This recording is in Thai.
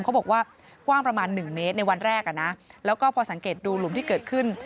เขาบอกว่ากว้างประมาณ๑เมตรในวันแรกแล้วก็พอสังเกตดูหลุมที่เกิดขึ้น